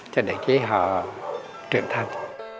cho đến khi họ trưởng thành